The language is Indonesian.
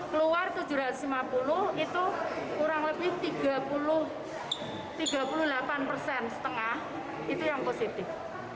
keluar tujuh ratus lima puluh itu kurang lebih tiga puluh delapan persen setengah itu yang positif